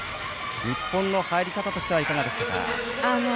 日本の入り方、いかがでしたか。